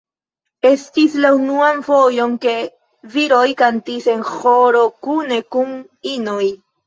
Estis la unuan fojon, ke viroj kantis en ĥoro kune kun inoj.